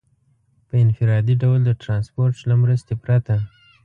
په انفرادي ډول د ټرانسپورټ له مرستې پرته.